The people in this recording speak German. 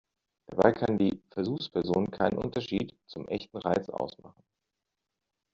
Dabei kann die Versuchsperson keinen Unterschied zum echten Reiz ausmachen.